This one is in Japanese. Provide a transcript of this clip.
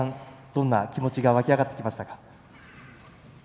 どんな気持ちが湧き上がってきましたか？